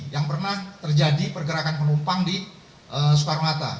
yang pernah terjadi pergerakan penumpang di soekarno hatta